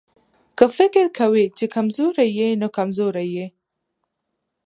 که فکر کوې چې کمزوری يې نو کمزوری يې.